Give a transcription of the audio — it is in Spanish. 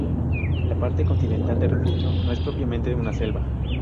La parte continental del Refugio no es propiamente una selva.